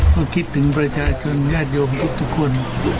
ก็คิดถึงประชาชนญาติโยมทุกคน